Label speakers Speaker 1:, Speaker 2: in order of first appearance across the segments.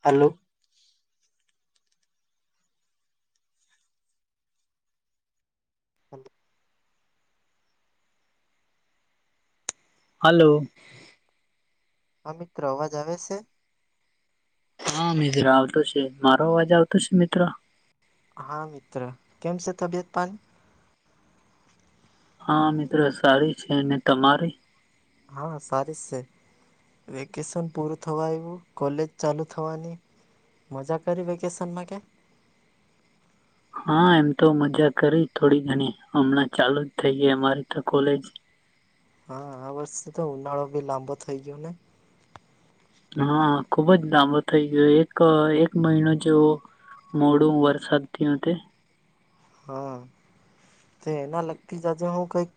Speaker 1: Hello. Hello.
Speaker 2: Hello.
Speaker 1: હ, મિત્ર અવાજ આવે છે?
Speaker 2: હા મિત્રો, આવતો છે, મારો અવાજ આવતો છે મિત્રો?
Speaker 1: હા મિત્ર, કેમ છે તબિયત પાણી?
Speaker 2: હા, મિત્રો સારી છે, અને તમારી?
Speaker 1: હા, સારી છે. વેકેશન પૂરું થવા આવ્યું, કોલેજ ચાલુ થવા મજા કરી, વેકેશનમાં કે.
Speaker 2: હા, એમ તો મજા કરી થોડી ઘણી, હમણાં ચાલુ જ થઈ ગઈ અમારી તો કોલેજ.
Speaker 1: હા, આ વર્ષે તો ઉનાળો ભી લાંબો થઈ ગયો ને.
Speaker 2: હા, ખુબ જ લાંબો થઇ ગયો, એક એક મહિનો જેવો. મોડું વરસાદ થતે.
Speaker 1: હા, તો એના લગતી જ આજે હું કઈક.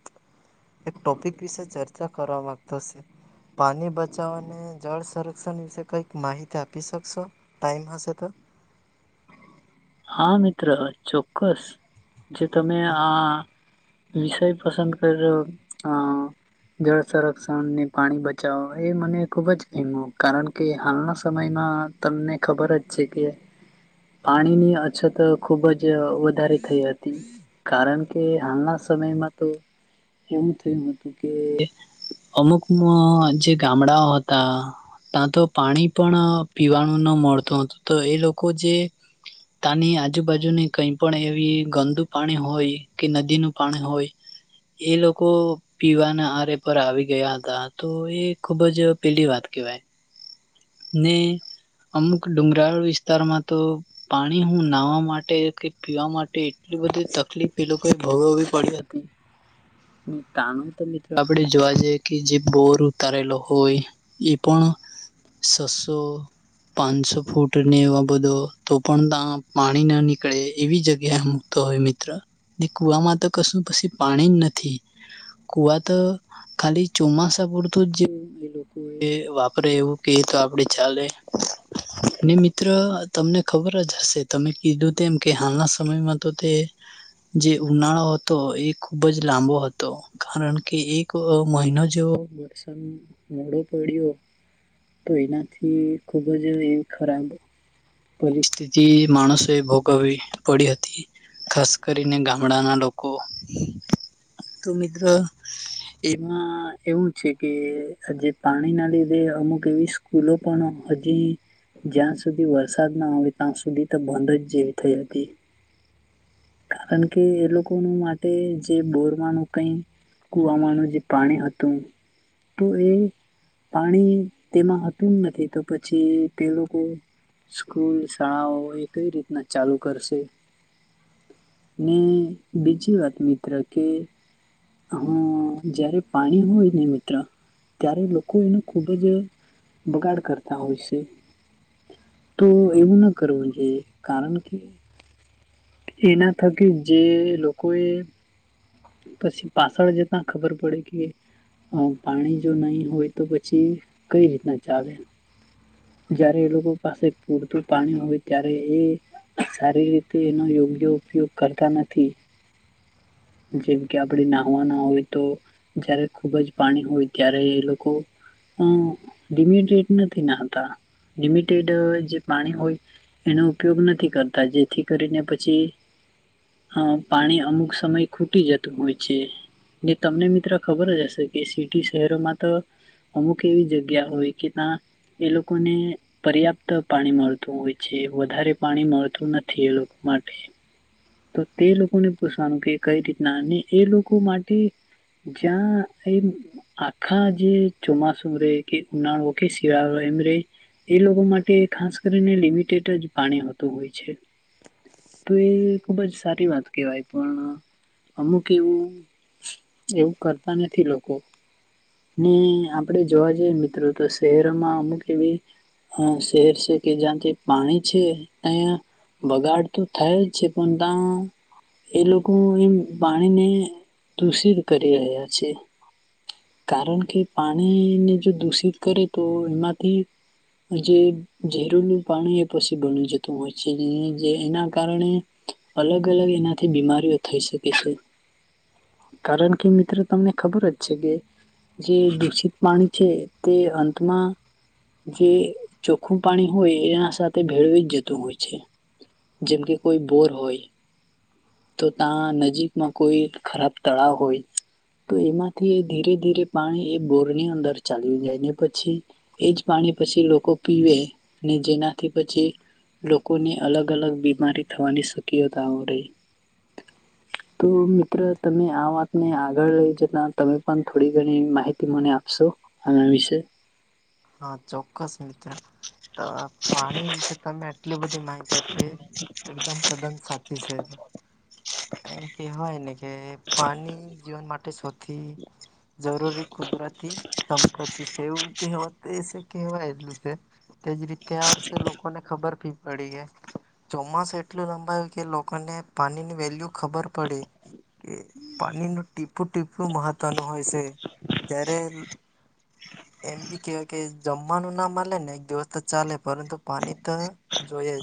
Speaker 1: એક ટોપિક વિશે ચર્ચા કરવા માંગતો છે? પાણી બચાવવા અને જળ સંરક્ષણ વિશે કઈક માહિતી આપી શકશો? ટાઈમ હશે તો.
Speaker 2: હા મિત્ર, ચોક્કસ જે તમે આ વિષય પસંદ કર અ જળ સંરક્ષણને પાણી બચાવો, એ મને ખુબ જ પ્રહેમ કારણ કે હાલના સમયમાં તમને ખબર જ છે કે, પાણીની અચ્છા, તો ખુબ જ વધારે થઈ હતી. કારણ કે, હાલના સમયમાં તો એવું થયું હતું કે અમુકમાં જે ગામડાઓ હતા. ત્યાં તો પાણી પણ પીવાનું ન મળતું હતું, તો એ લોકો જે ત્યાં ની આજુબાજુની કઈ પણ એવી ગંદુ પાણી હોય કે, નદીનું પાણી હોય. એ લોકો પીવાના આરે પર આવી ગયા હતા, તો એ ખુબ જ પેલી વાત કેહેવાય. ને અમુક ડુંગરાળ વિસ્તારમાં તો પાણી, હું નાહવા માટે કે, પીવા માટે એટલી બધી તકલીફ એ લોકો ભોગવવી પડી હતી.
Speaker 1: હ [inaudible]
Speaker 2: તાનું તો મિત્રો આપણે જોવા જઈએ કે જે બોર ઉતારેલો હોય. એ પણ સસો પાંચસો ફૂટ ને એવા બધો તો પણ ત્યાં પાણી ના નીકળે એવી જગ્યા એમ. તોય મિત્ર કુવામાં તો કશું પછી પાણી જ નથી. કુવા તો ખાલી ચોમાસા પૂરતું જ એ લોકો એ વાપરે એવું. કે તો આપડી ચાલે. ને મિત્ર તમને ખબર જ હશે તમે કીધું તેમ કે હાલના સમયમાં તો તે જે ઉનાળો હતો એ ખૂબ જ લાંબો હતો. કારણ કે એક મહિનો જેવો વરસાદ મોડો પડ્યો. તો એનાથી ખુબ જ એ ખરાબ પરિસ્થિતિ માણસો ભોગવવી પડી હતી. ખાસ કરીને ગામડાના લોકો, તો મિત્ર એમાં એવું છે કે જે પાણીના લીધે અમુક કેવી સ્કૂલો પણ હજી જ્યાં સુધી વરસાદના આવે ત્યાં સુધી તો બંધ જ જેવી થઈ હતી. કારણ કે એ લોકોનું માટે જે બોરવાનું કઈ કુવામાંનું જે પાણી હતું, તો એ પાણી તેમાં હતું નથી તો પછી તે લોકો સ્કૂલ શાળાઓ એ કઈ રીતના ચાલુ કરશે. ને, બીજી વાત મિત્ર કે હા જયારે પાણી હોય ને મિત્ર ત્યારે લોકો એનું ખૂબ જ બગાડ કરતા હોય છે. તો એવું ના કરવું જોઈએ, કારણ કે એના થકી જે લોકોએ પછી પાછળ જતા ખબર પડે કે હ પાણી જો નહી હોય તો પછી કઈ રીતના ચાલે. જયારે એ લોકો પાસે પૂરતું પાણી હોય ત્યારે એ સારી રીતે એનો યોગ્ય ઉપયોગ કરતા નથી. જેમ કે આપણે નાહવાના હોય તો, જયારે ખુબ જ પાણી હોય ત્યારે એ લોકો અ લિમિટેડ નથી નાતા, લિમિટેડ જે પાણી હોય. એનો ઉપયોગ નથી કરતા જેથી કરીને પછી. હ પાણી અમુક સમય ખૂટી જતું હોય છે. એ તમને મિત્ર ખબર જ હશે કે સિટી શહેરોમાં તો અમુક એવી જગ્યા હોય કે ત્યાં, એ લોકોને પર્યાપ્ત પાણી મળતું હોય છે વધારે પાણી મળતું નથી એ લોકો માટે. તો તે લોકોને પૂછવાનું કે કઈ રીતના અને એ લોકો માટે જ્યાં એ આખા જે ચોમાસુ રે કે ઉનાળો કે શિયાળો એમ રે. એ લોકો માટે ખાસ કરીને લિમિટેડ જ પાણી હોતું હોય છે. તો એ ખુબ જ સારી વાત કહેવાય પણ અમુક એવું એવું કરતા નથી લોકો. ને આપડે જોવા જઈએ મિત્રો તો શહેરોમાં અમુક એવી અ શહેર છે કે જ્યાંથી પાણી છે તં બગાડ તો થાય જ છે પણ ત્યાં, એ લોકો પાણીને દૂષિત કરી રહ્યા છે. કારણ કે, પાણીને જો દૂષિત કરે તો, એમાંથી- જે ઝેરનું પાણી એ પછી બની જતું હોય છે, જે એના કારણે અલગ-અલગ એનાથી બીમારીઓ થઈ શકે છે. કારણ કે મિત્રો તમને ખબર જ છે કે જે દૂષિત પાણી છે, તે અંતમાં જે ચોખ્ખું પાણી હોય, એના સાથે ભેળવી જ જતું હોય છે. જેમ કે કોઈ બોર હોય. તો ત્યાં નજીકમાં કોઈ ખરાબ તળાવ હોય. તો એમાંથી ધીરે-ધીરે પાણી એ બોર ની અંદર ચાલ્યું જાય ને, પછી એજ પાણી પછી લોકો પીવે ને, જેનાથી પછી લોકો ને, અલગ-અલગ બીમારી થવાની શક્યતાઓ રહે.
Speaker 1: હ.
Speaker 2: તો મિત્ર, તમે આ વાતને આગળ લઈ જતા, તમે પણ થોડી ઘણી માહિતી મને આપશો? આના વિશે.
Speaker 1: હા, ચોક્કસ મિત્ર. તો પાણી વિશે તમે આટલી બધી માહિતી આપી, એકદમ તદ્દન સાચી છે. એમ કેહેવાય ને, કે પાણી જીવન માટે સૌથી જરૂરી કુદરતી સંપત્તિ છે. કહેવાત એ છે, કહેવાયલું છે, તેજ રીતે આ વર્ષે લોકોને ખબર પડી. પડી ગઈ, ચોમાસું એટલું લંબાયું કે લોકોને પાણીની વેલ્યુ ખબર પડી. પાણીનું ટીપું-ટીપું મહત્વનું હોય છે, જ્યારે એમ બી કેવાય કે, જમવાનું ના મળે ને, એક દિવસ તો ચાલે, પરંતુ પાણી તો જોઈએ જ.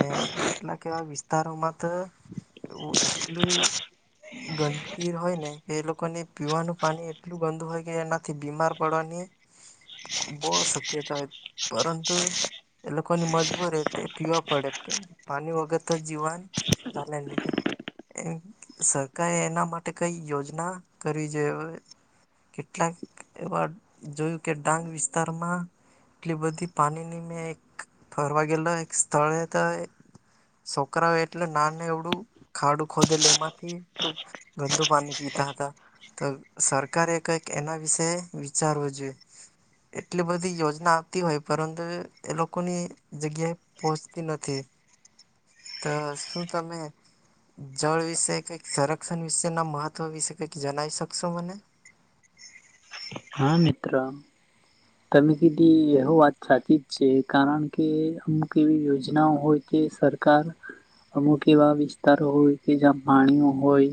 Speaker 1: ને કેટલાક એવા વિસ્તારોમાં તો એવું એટલું ગંદકી હોય ને, કે એ લોકોને પીવાનું પાણી એટલું ગંદુ હોય કે, એનાથી બીમાર પડવાની. બહું શક્યતા હોય, પરંતુ એ લોકોની મજબૂરી તે પીવા પડે, કેમ પાણી વગર તો જીવન ચાલે નિ તે. સરકારે એના માટે કઈ યોજના કરવી જોઈએ. કેટલાક એવા જેવુ કે ડાંગ વિસ્તારમાં. એટલી બધી પાણી ની મેં એક ફરવા ગેલો, એક સ્થળ એ તો છોકરાઓ એટલું નાનું એવડું ખાડું ખોદેલ, એમાંથી એટલું ગંદુ પાણી પીતા હતા, તો સરકારે કઈક એના વિશે વિચારવા જોઈએ. એટલી બધી યોજના આવતી હોય, પરંતુ એ લોકોની જગ્યાએ પહોચતી નથી., તો શું તમે જળ વિશે કઈક સંરક્ષણ વિશે ના મહત્વ વિશે કઈક જણાવી શકશો મને?
Speaker 2: હા, મિત્ર. તમે કીધી એ વાત સાચી જ છે, કારણ કે અમુક એવી યોજનાઓ હોય તે, સરકાર અમુક એવા વિસ્તારો હોય કે, જ્યાં પાણી ન હોય.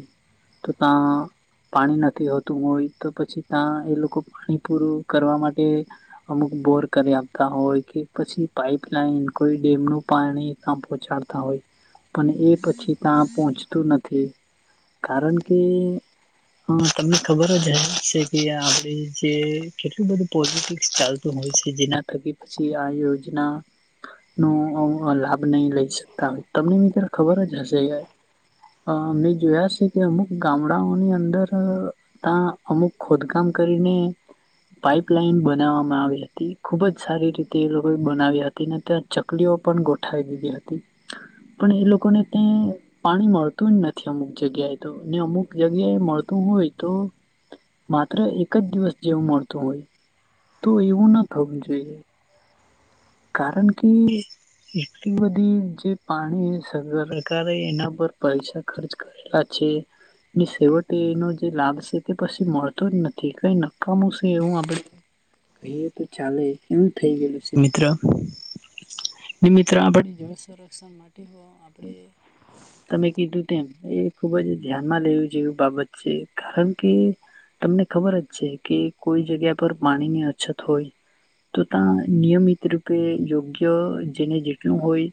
Speaker 2: તો ત્યાં પાણી નથી હોતું, હોય તો, પછી ત્યાં એ લોકો પાણી પૂરું કરવા માટે. અમુક બોર કરી આપતા હોય કે, પછી પાઈપલાઈન, કોઈ ડેમનું પાણી ક્યાં પહોંચાડતા હોય.
Speaker 1: હ.
Speaker 2: પણ એ પછી ત્યાં પહોંચતું નથી કારણ કે હા તમને ખબર જ હશે છે કે આપડી જે કેટલું બધું પોઝિટિવ ચાલતું હોય છે જેના થકી પછી આ યોજના નો લાભ નહી લઈ શકતા હોય તમને બી ત્યારે ખબર જ હશે અ મેં જોયા છે કે અમુક ગામડાઓની અંદર ત્યા અમુક ખોદકામ કરીને પાઈપલાઈન બંધ બનાવવામાં આવી હતી ખુબ જ સારી રીતે એ લોકો બનાવી્યા હતી ને ત્યાં ચકલીઓ પણ ગોઠવી દીધી હતી પણ એ લોકોને ત્યા પાણી મળતું જ નથી અમુક જગ્યાએ તો ને અમુક જગ્યાએ મળતું હોય તો માત્ર એકજ દિવસ જેવું મળતું હોય. તો એવું ના થવું જોઈએ. કારણ કે એટલી બધી જે પાણી [unintelligible] કરે એના પર પૈસા ખર્ચ કરે કરેલા છે ની સેવટે એનો જે લાભ છે તે પછી મળતો જ નથી કઈ નકામું છે એવું આપડે કહીએ તો ચાલે એમ થઇ ગયેલું છે મિત્ર જે મિત્રો આપણી તમે કીધું તેમ એ ખુબ જ ધ્યાનમાં લેવું જેવી બાબત છે કારણ કે તમને ખબર જ છે કે કોઈ જગ્યા પર પાણીની અછત હોય તો ત્યાં નિયમિત રૂપે યોગ્ય જેને જેટલું હોય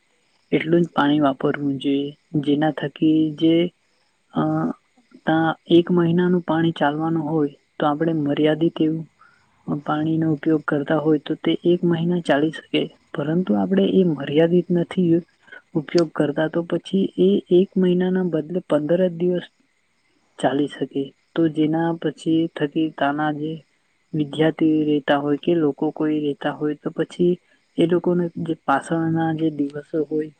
Speaker 2: એટલું જ પાણી વાપરવું જોઈએ જેના થકી જે અ અ એક મહિનાનું પાણી ચાલવાનું હોય તો આપણે મર્યાદિત એવું પાણીનો ઉપયોગ કરતા હોય તો તે એક મહિના ચાલી શકે એ પરંતુ આપણેે એ મર્યાદિત નથી ઉપયોગ કરતા તો પછી એ એક મહિનાના બદલે પંદર જ દિવસ ચાલી શકે તો જેના પછી થકી તના જે વિદ્યાર્થી રેતા હોય કે લોકો કોઈ રેતા હોય તો પછી એ લોકોને જે પાછળ ના જે દિવસો હોય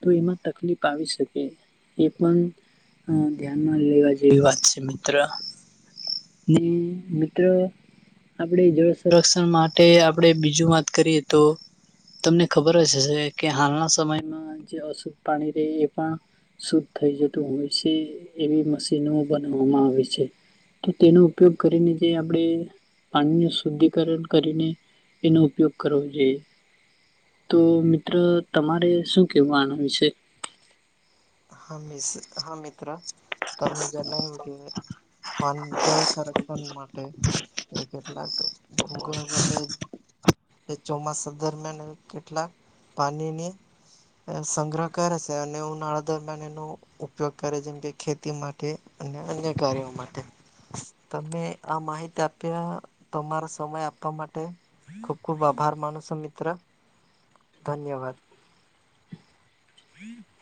Speaker 2: તો એમાં તકલીફ આવી શકે એ પણ હ ધ્યાનમાં લેવા જેવી વાત છે મિત્ર હમ મિત્ર આપણે જળ સંરક્ષણ માટે આપણે બીજું વાત કરીએ તો તમને ખબર જ હશે કે હાલના સમયમાં જે અશુદ્ધ પાણી રે એ પણ શુદ્ધ થઈ જતું હોય છે એવી મશીનો બનાવામાં આવે છે તો તેનો ઉપયોગ કરીને જે આપણે પાણીનું શુદ્ધિકરણ કરીને એનો ઉપયોગ કરવો જોઈએ. તો મિત્ર તમારે શું કેવું આના વિશે
Speaker 1: હા મ હા મિત્ર તમે જનાવો કે પણ જળ સંરક્ષણ માટે એ કેટલાક ભૂગર્ભતે એ ચોમાસા દરમિયાન કેટલાક પાણીની સંગ્રહ કરે છે અને ઉનાળા દરમિયાન એનો ઉપયોગ કરે જેમ કે ખેતી માટે અને અન્ય કાર્યો માટે તમે આ માહિતી આપ્યા તમારો સમય આપવા માટે ખૂબ ખુબ આભાર માનું છું, મિત્ર, ધન્યવાદ. [unintelligible]